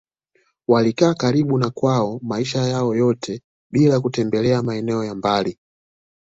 Walikaa karibu na kwao maisha yao yote bila kutembelea maeneo ya mbali